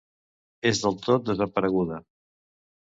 És del tot desapareguda.